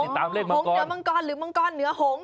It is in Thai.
หงเหนือมังกรหรือมังกรเหนือหง